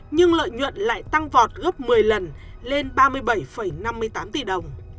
nhưng lợi nhuận lại tăng vọt gấp một mươi lần lên ba mươi bảy năm mươi tám tỷ đồng